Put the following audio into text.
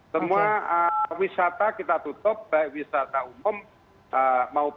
semua wisata kita tutup